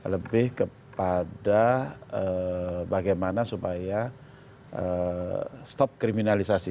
lebih kepada bagaimana supaya stop kriminalisasi